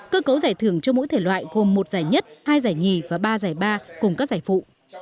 cơ cấu giải thưởng cho mỗi thể loại gồm một giải nhất hai giải nhì và ba giải ba cùng các giải phụ